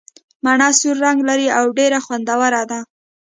مڼه سور رنګ لري او ډېره خوندوره ده.